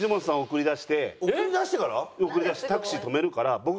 送り出してタクシー止めるから僕。